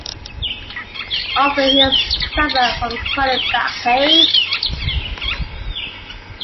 Often he suffered from chronic back pain.